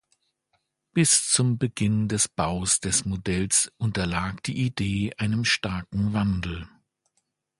Bis zum Beginn des Baus des Modells unterlag die Idee einem starken Wandel.